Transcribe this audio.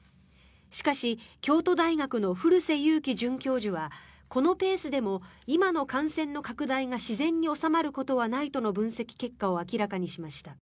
しかし、京都大学の古瀬祐気准教授はこのペースでも今の感染拡大が自然に収まることはないとの分析結果を明らかにしました。